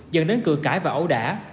dần đến cửa cãi và ẩu đả